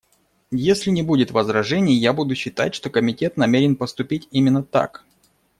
Если не будет возражений, я буду считать, что Комитет намерен поступить именно так.